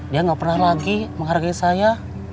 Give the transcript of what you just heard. dia nggak pernah lagi menghargai saya